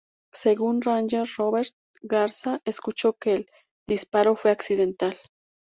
Según Ranger Robert Garza escuchó que "el disparo fue accidental".